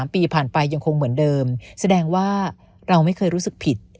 ปีผ่านไปยังคงเหมือนเดิมแสดงว่าเราไม่เคยรู้สึกผิด